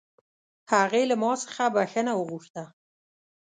هغې له ما څخه بښنه وغوښته